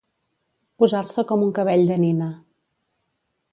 Posar-se com un cabell de nina.